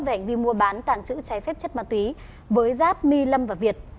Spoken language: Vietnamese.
về ảnh vi mua bán tàng trữ trái phép chất ma túy với giáp mi lâm và việt